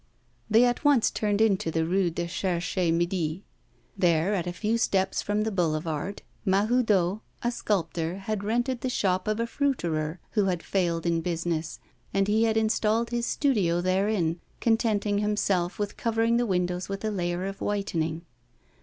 They at once turned into the Rue du Cherche Midi. There, at a few steps from the boulevard, Mahoudeau, a sculptor, had rented the shop of a fruiterer who had failed in business, and he had installed his studio therein, contenting himself with covering the windows with a layer of whitening.